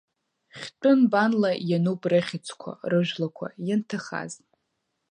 Хьтәы нбанла иануп рыхьӡқәа, рыжәлақәа, ианҭахаз.